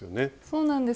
そうなんです。